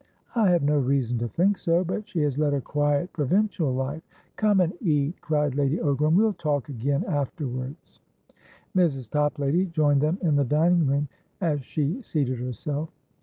"I have no reason to think so. But she has led a quiet, provincial life" "Come and eat!" cried Lady Ogram. "We'll talk again afterwards." Mrs. Toplady joined them in the dining room, as she seated herself.